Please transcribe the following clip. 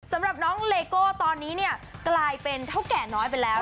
สำหรับน้องเลโก้ตอนนี้เนี่ยกลายเป็นเท่าแก่น้อยไปแล้ว